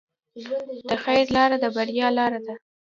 د خیر لاره د بریا لاره ده.